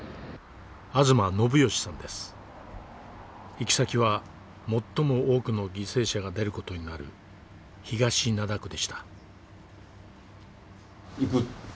行き先は最も多くの犠牲者が出る事になる東灘区でした。